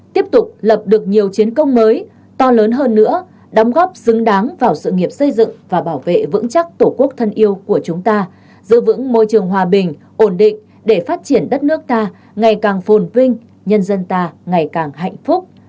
tiếp tục lập được nhiều chiến công mới to lớn hơn nữa đóng góp xứng đáng vào sự nghiệp xây dựng và bảo vệ vững chắc tổ quốc thân yêu của chúng ta giữ vững môi trường hòa bình ổn định để phát triển đất nước ta ngày càng phồn vinh nhân dân ta ngày càng hạnh phúc